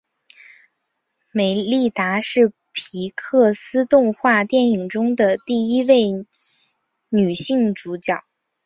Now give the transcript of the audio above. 梅莉达是皮克斯动画电影中的第一位女性主角。